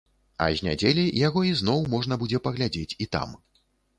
А з нядзелі яго ізноў можна будзе паглядзець і там.